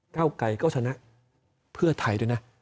เก้าไกรก็ชนะเพื่อไทยด้วยนะ